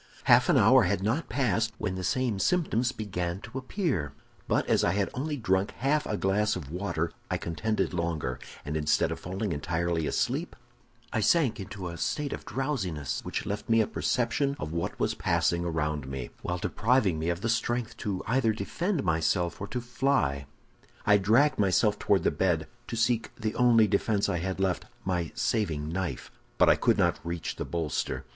"Half an hour had not passed when the same symptoms began to appear; but as I had only drunk half a glass of the water, I contended longer, and instead of falling entirely asleep, I sank into a state of drowsiness which left me a perception of what was passing around me, while depriving me of the strength either to defend myself or to fly. "I dragged myself toward the bed, to seek the only defense I had left—my saving knife; but I could not reach the bolster.